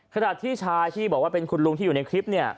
ขณะที่ชายที่บอกว่าเป็นคุณลุงที่อยู่ในคลิปเนี่ย